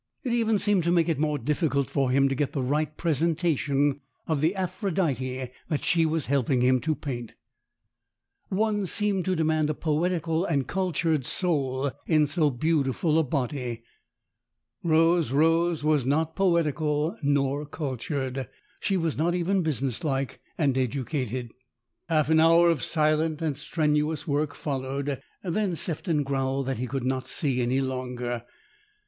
It even seemed to make it more difficult for him to get the right presentation of the " Aphrodite " that she was helping him to paint. One seemed to demand a poetical and cultured soul in so beautiful a body. Rose Rose was not poetical nor cultured ; she was not even business like and educated. ROSE ROSE 147 Half an hour of silent and strenuous work followed. Then Sefton growled that he could not see any longer.